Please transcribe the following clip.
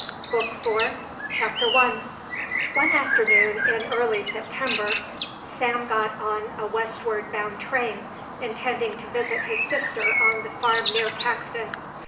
BOOK IV CHAPTER I One afternoon in early September Sam got on a westward bound train intending to visit his sister on the farm near Caxton.